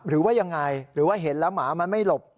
หรือว่ายังไงหรือว่าเห็นแล้วหมามันไม่หลบ